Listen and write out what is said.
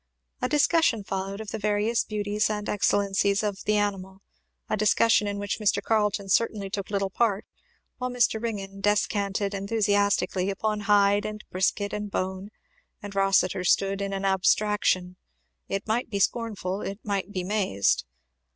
A discussion followed of the various beauties and excellencies of the animal; a discussion in which Mr. Carleton certainly took little part, while Mr. Ringgan descanted enthusiastically upon 'hide' and 'brisket' and 'bone,' and Rossitur stood in an abstraction, it might be scornful, it might be mazed.